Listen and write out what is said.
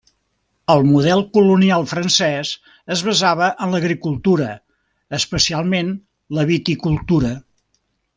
El model colonial francès es basava en l'agricultura especialment la viticultura.